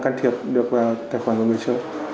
can thiệp được tài khoản của người chơi